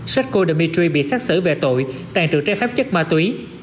seko dimitri bị xác xử về tội tàn trữ trái phép chất ma túy